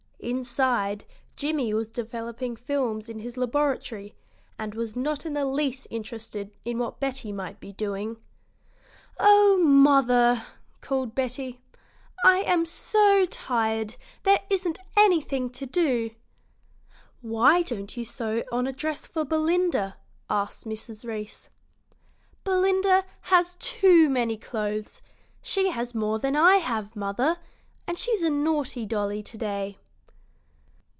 Inside, Jimmie was developing films in his laboratory, and was not in the least interested in what Betty might be doing. "Oh, mother," called Betty, "I am so tired; there isn't anything to do!" "Why don't you sew on a dress for Belinda?" asked Mrs. Reece. "Belinda has too many clothes; she has more than I have, mother, and she's a naughty dolly to day."